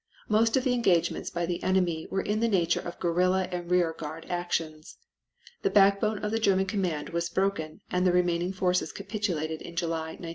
Most of the engagements by the enemy were in the nature of guerrilla and rear guard actions. The backbone of the German command was broken and the remaining forces capitulated in July, 1915.